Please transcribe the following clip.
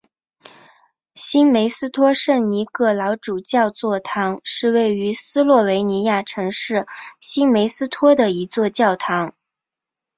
新梅斯托圣尼各老主教座堂是位于斯洛维尼亚城市新梅斯托的一座教堂。